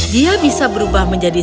dia bisa berubah menjadi